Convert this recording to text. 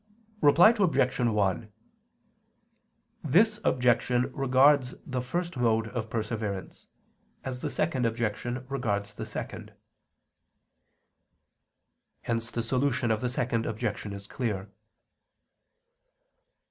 Reply Obj. 1: This objection regards the first mode of perseverance, as the second objection regards the second. Hence the solution of the second objection is clear.